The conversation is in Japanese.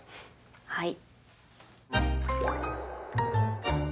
はい。